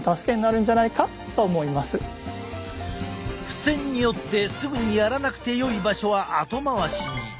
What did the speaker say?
付箋によってすぐにやらなくてよい場所は後回しに。